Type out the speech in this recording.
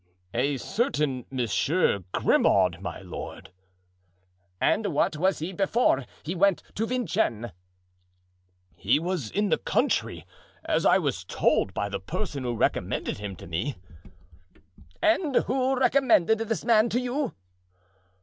"A certain Monsieur Grimaud, my lord." "And what was he before he went to Vincennes?" "He was in the country, as I was told by the person who recommended him to me." "And who recommended this man to you?"